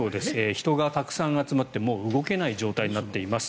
人がたくさん集まってもう動けない状態になっています。